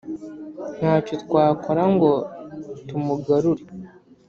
Nta cyo twakora ngo tumugarure.